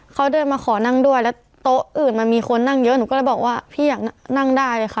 เขาเดินมาขอนั่งด้วยแล้วโต๊ะอื่นมันมีคนนั่งเยอะหนูก็เลยบอกว่าพี่อยากนั่งได้เลยค่ะ